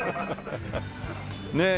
ねえ。